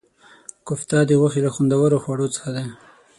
کوفته د غوښې له خوندورو خواړو څخه دی.